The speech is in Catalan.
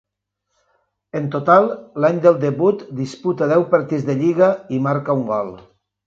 En total, l'any del debut disputa deu partits de lliga i marca un gol.